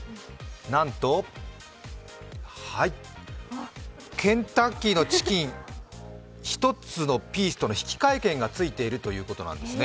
なんと、ケンタッキーのチキン１つのピースとの引換券がついているということなんですね。